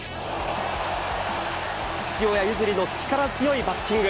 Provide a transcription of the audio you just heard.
父親譲りの力強いバッティング。